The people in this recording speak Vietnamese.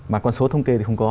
mà con số thông kê thì không có